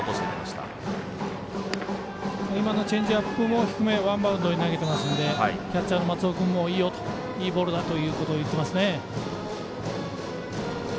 今のチェンジアップも低め、ワンバウンドで投げてますのでキャッチャーの松尾君もいいボールだ！ということを言っていますね。